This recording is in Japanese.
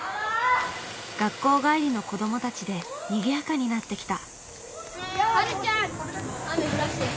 学校帰りの子どもたちでにぎやかになってきた。